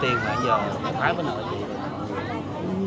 tếm mấy triệu